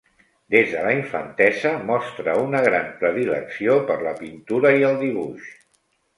Des de la infantesa mostra una gran predilecció per la pintura i el dibuix.